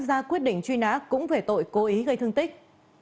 ra quyết định truy nã cũng về tội cố ý gây thương tích